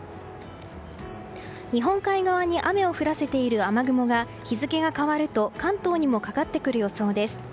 日本海側に雨を降らせている雨雲が日付が変わると関東にもかかってくる予想です。